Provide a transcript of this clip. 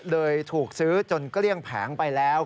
โดยถูกซื้อจนเกลี้ยงแผงไปแล้ว